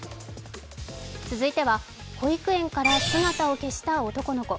続いては保育園から姿を消した男の子。